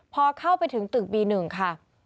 พอเข้าไปถึงตึกบี๑ค่ะ